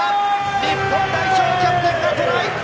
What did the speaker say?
日本代表キャプテンがトライ！